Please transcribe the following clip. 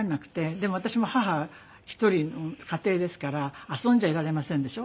でも私も母一人の家庭ですから遊んじゃいられませんでしょ。